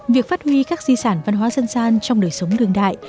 việc phát huy các di sản văn hóa dân gian trong đời sống đương đại